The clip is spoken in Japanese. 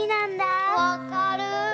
わかる。